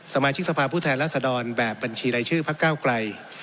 สมาชิกสภาพผู้แทนรัศดรแบบบัญชีรายชื่อพักเก้าไกล